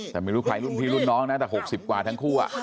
แต่ไม่รู้ใครรุ่นพี่รุ่นน้องนะแต่๖๐กว่าทั้งคู่